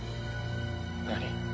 何？